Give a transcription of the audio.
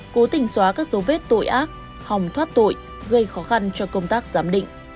cố tình xóa các dấu vết tội ác hòng thoát tội gây khó khăn cho công tác giám định